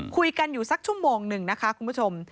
คุยกันอยู่สักชั่วโมงหนึ่งนะคะคุณผู้ชม